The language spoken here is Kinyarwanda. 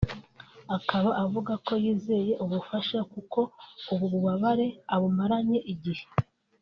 akaba avuga ko yizeye ubufasha kuko ubu bubabare abumaranye igihe